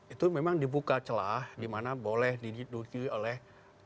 itu memang dibuka celah dimana boleh diduduki oleh